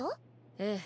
ええ。